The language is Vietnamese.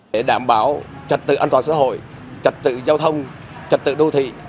để đảm bảo trật tự an toàn xã hội trật tự giao thông trật tự đô thị